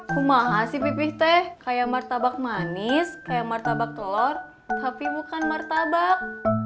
kuma ngasih pipih teh kayak martabak manis kayak martabak telur tapi bukan martabak